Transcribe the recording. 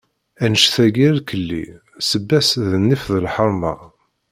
Anect-agi irkelli, sebba-s d nnif d lḥerma.